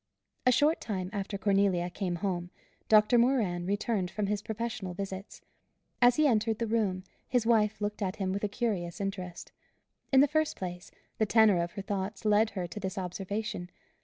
A short time after Cornelia came home, Doctor Moran returned from his professional visits. As he entered the room, his wife looked at him with a curious interest. In the first place, the tenor of her thoughts led her to this observation.